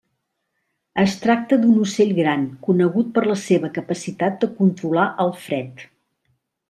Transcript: Es tracta d'un ocell gran, conegut per la seva capacitat de controlar el fred.